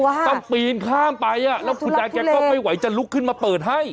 ต้องปีนข้ามไปแล้วคุณยายแกก็ไม่ไหวจะลุกขึ้นมาเปิดให้